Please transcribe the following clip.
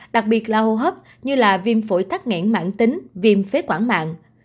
đặc biệt là hô hấp như viêm phổi thắt nghẽn mạng tính viêm phế quảng mạng